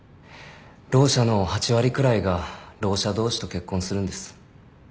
ろう者の８割くらいがろう者同士と結婚するんです。